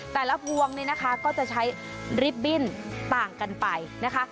แต่ละพวงนี้ก็จะใช้ริบบิ้นต่างกันไปนะคะ